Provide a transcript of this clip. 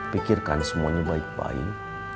pikirkan semuanya baik baik